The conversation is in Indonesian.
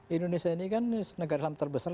indonesia ini kan negara terbesar